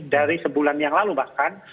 dari sebulan yang lalu bahkan